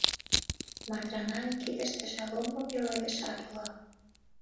Матранан кидыштыже ломбо пеледышат уло.